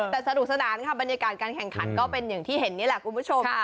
แต่สนุกสนานค่ะบรรยากาศการแข่งขันก็เป็นอย่างที่เห็นนี่แหละคุณผู้ชม